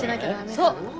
そう。